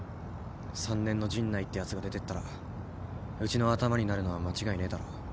３年の陣内ってやつが出てったらうちのアタマになるのは間違いねえだろう。